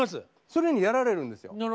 それにやられるんですよ。